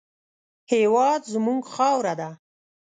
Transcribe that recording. هېواد زموږ خاوره ده